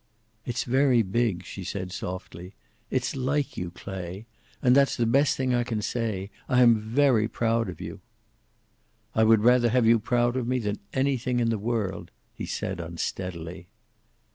"It's very big," she said, softly. "It's like you, Clay. And that's the best thing I can say. I am very proud of you." "I would rather have you proud of me than anything in the world," he said, unsteadily.